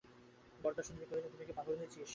বরদাসুন্দরী কহিলেন, তুই কি পাগল হয়েছিস?